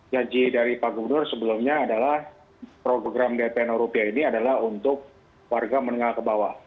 janji dari pak gubernur sebelumnya adalah program dp rupiah ini adalah untuk warga menengah ke bawah